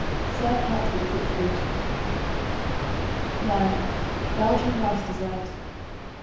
Serve hot with cooked fruit. 9. Belgian Rice Dessert.